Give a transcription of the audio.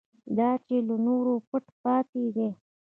دا چې له نورو پټ پاتې دی.